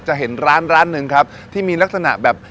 จะเห็นร้านหนึ่งที่มีลักษณะแบบ